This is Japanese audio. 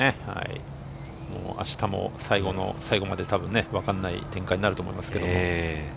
明日も最後の最後まで分からない展開になると思います。